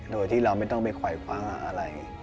โดยที่เราไม่ต้องไปคอยคว้าอะไร